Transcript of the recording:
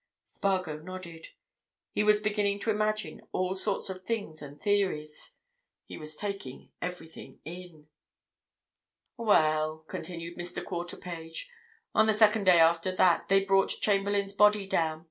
Spargo nodded. He was beginning to imagine all sorts of things and theories; he was taking everything in. "Well," continued Mr. Quarterpage, "on the second day after that, they brought Chamberlayne's body down.